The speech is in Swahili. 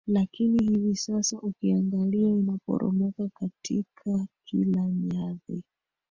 lakini hivi sasa ukiangalia inaporomoka katika kila nyadhi